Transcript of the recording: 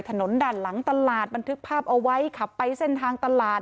ถนนด้านหลังตลาดบันทึกภาพเอาไว้ขับไปเส้นทางตลาด